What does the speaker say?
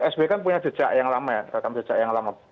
sby kan punya jejak yang lama ya